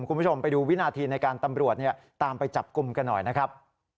คุณผู้ชมไปดูวินาทีในการตำรวจตามไปจับกลุ่มกันหน่อยนะครับ